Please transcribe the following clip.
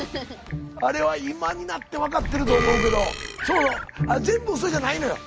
あれは今になって分かってると思うけどそうそう全部ウソじゃないのよ。